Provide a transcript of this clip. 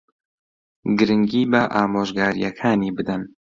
گرنگی بە ئامۆژگارییەکانی بدەن.